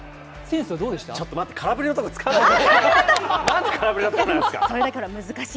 ちょっと待って空振りのところ使わないで。